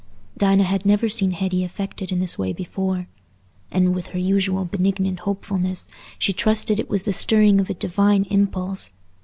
Dinah had never seen Hetty affected in this way before, and, with her usual benignant hopefulness, she trusted it was the stirring of a divine impulse.